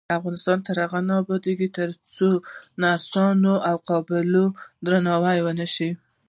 افغانستان تر هغو نه ابادیږي، ترڅو د نرسانو او قابلو درناوی ونشي.